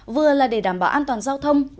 vừa là để đảm bảo an toàn giao thông